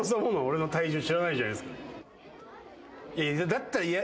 だったら。